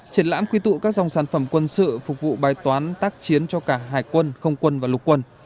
triển lãm quy tụ các dòng sản phẩm quân sự phục vụ bài toán tác chiến cho cả hải quân không quân và lục quân